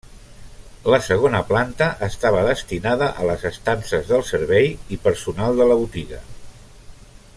La segona planta estava destinada a les estances del servei i personal de la botiga.